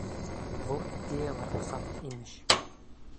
Ҙур идеялар асам, имеш!